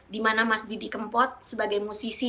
dimana mas didi kempot sebagai musisi